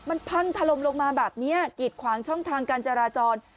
มันพังถล่มลงมาแบบนี้กีดขวางช่องทางการจราจร